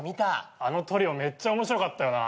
あのトリオめっちゃ面白かったよな。